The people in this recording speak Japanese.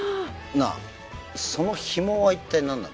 なあそのヒモは一体何なんだ？